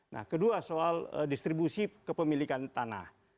nah kedua soal distribusi kepemilikan tanah